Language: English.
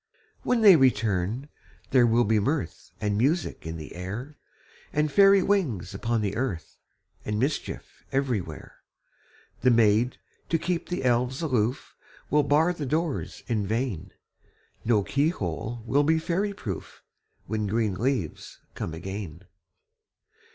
When they return, there will be mirth And music in the air, And fairy wings upon the earth, And mischief everywhere. The maids, to keep the elves aloof, Will bar the doors in vain ; No key hole will be fairy proof, When green leaves come again.